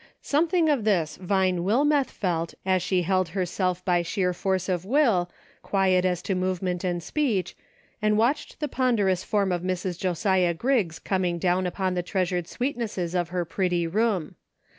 Something of this Vine Wilmeth felt as she held herself by sheer force of will, quiet as to movement and speech, and watched the ponder ous form of Mrs. Josiah Griggs coming down upon the treasured sweetnesses of her pretty room.